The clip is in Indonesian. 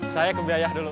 saya ke biayah dulu